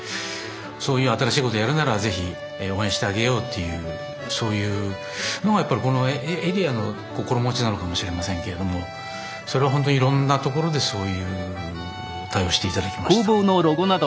そういう新しいことをやるなら是非応援してあげようっていうそういうのがこのエリアの心持ちなのかもしれませんけれどもそれはほんといろんなところでそういう対応して頂きました。